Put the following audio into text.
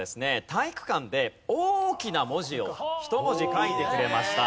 体育館で大きな文字を１文字書いてくれました。